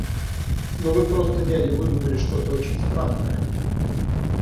Ну вы просто дядя выдумали что-то очень странное!